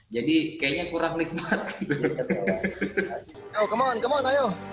jadi kayaknya kurang nikmat